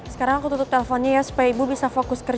sekarang aku tutup telponnya ya supaya ibu bisa fokus ke ibu